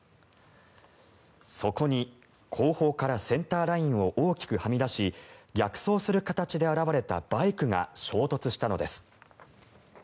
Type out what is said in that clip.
そこに後方からセンターラインを大きくはみ出し逆走する形で現れたバイクが衝突したのです。